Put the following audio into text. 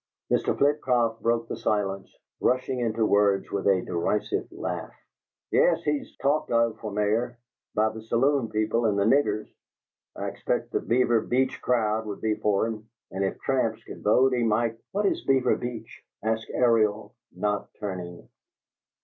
Mr. Flitcroft broke the silence, rushing into words with a derisive laugh: "Yes, he's 'talked of' for Mayor by the saloon people and the niggers! I expect the Beaver Beach crowd would be for him, and if tramps could vote he might " "What is Beaver Beach?" asked Ariel, not turning.